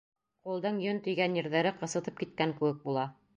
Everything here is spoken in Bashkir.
Ҡулдың «йөн» тейгән ерҙәре ҡысытып киткән кеүек була.